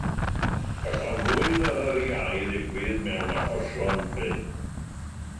Gall aflwydd ar yr iau ddigwydd mewn achosion prin.